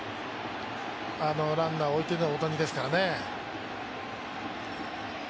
ランナー置いての大谷ですからね。